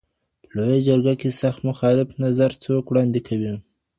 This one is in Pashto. لویه جرګه کي سخت مخالف نظر څوک وړاندي کوي؟